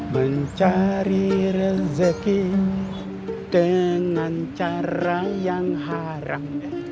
mencari rezeki dengan cara yang haram